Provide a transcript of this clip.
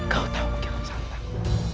kau tahu ken santang